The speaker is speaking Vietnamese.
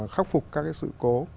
khắc phục các sự cố